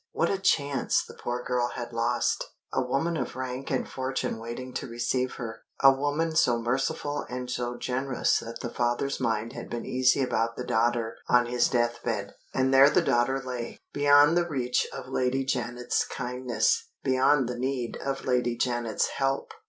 What a chance the poor girl had lost! A woman of rank and fortune waiting to receive her a woman so merciful and so generous that the father's mind had been easy about the daughter on his deathbed and there the daughter lay, beyond the reach of Lady Janet's kindness, beyond the need of Lady Janet's help!